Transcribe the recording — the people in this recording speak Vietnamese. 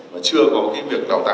và chưa có cái việc đào tạo